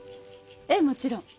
ええもちろん。